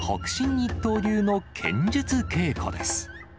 一刀流の剣術稽古です。